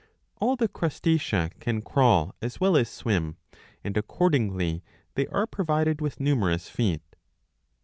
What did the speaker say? All the Crustacea ^ can crawl as well as swim, and accordingly they are provided with numerous feet.